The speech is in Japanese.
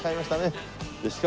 でしかも。